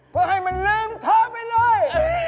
เพื่อให้มันลืมเธอไปเลย